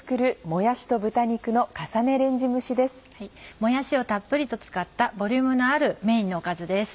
もやしをたっぷりと使ったボリュームのあるメインのおかずです。